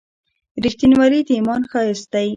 • رښتینولي د ایمان ښایست دی.